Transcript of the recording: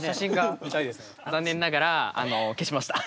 残念ながらあの消しました。